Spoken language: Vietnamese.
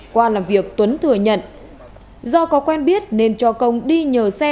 qua làm việc tuấn thừa nhận do có quen biết nên cho công đi nhờ xe